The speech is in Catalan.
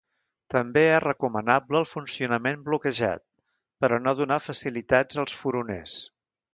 També és recomanable el funcionament bloquejat per a no donar facilitats als furoners.